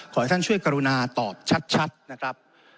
ขอให้ท่านช่วยกรุณาตอบชัดนะครับ